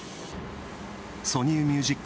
ソニー・ミュージック